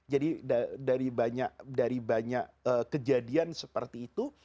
jadi dari banyak kejadian seperti itu